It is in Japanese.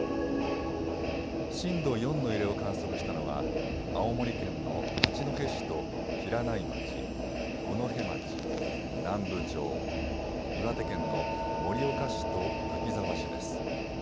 震度４の揺れを観測したのは青森県の八戸市と平内町、五戸町、南部町、岩手県の盛岡市と滝沢市です。